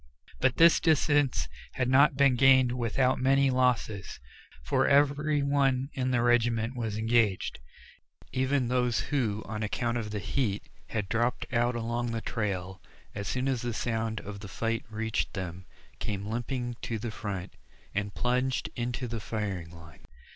But this distance had not been gained without many losses, for every one in the regiment was engaged. Even those who, on account of the heat, had dropped out along the trail, as soon as the sound of the fight reached them, came limping to the front and plunged into the firing line.